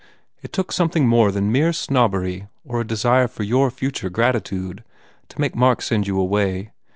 It took something more than mere snobbery or a de sire for your future gratitude to make Mark send you away.